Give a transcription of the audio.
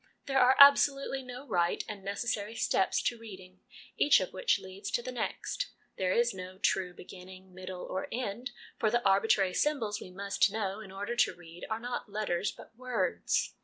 There are absolutely no right and necessary ' steps ' to reading, each of which leads to the next ; there is no true beginning, middle, or end. For the arbitrary symbols we must know in order to read are not letters, but words.